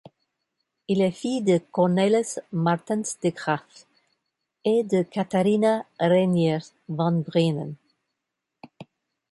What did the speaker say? Il est fils de Cornelis Maertensz de Graeff et de Catharina Reyniers van Brienen.